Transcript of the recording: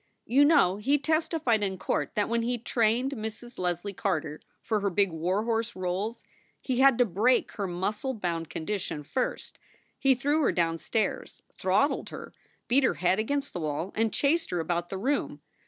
"You know he testified in court that when he trained Mrs. Leslie Carter for her big war horse roles, he had to break her muscle bound condition first. He threw her down stairs, throttled her, beat her head against the wall, and chased her about the room.